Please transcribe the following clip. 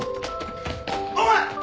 お前！